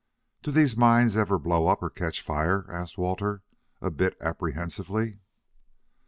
"Do these mines ever blow up or catch fire?" asked Walter a bit apprehensively.